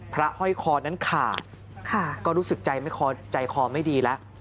พระห้อยคอนั้นขาดค่ะก็รู้สึกใจไม่คอใจคอไม่ดีแล้ว